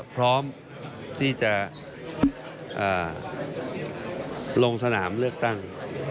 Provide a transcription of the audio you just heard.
พร้อมที่จะลงสนามเลือกตั้ง